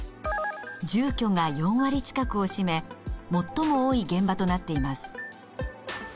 住居が４割近くを占め最も多い現場となっています。